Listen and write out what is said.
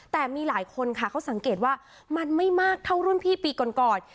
แต่มีหลายคนค่ะเขาสังเกตว่ามันไม่มากเท่ารุ่นพี่ปีก่อนก่อน